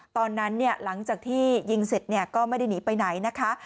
หลังจากที่ยิงเสร็จก็ไม่ได้หนีไปไหนนะคะ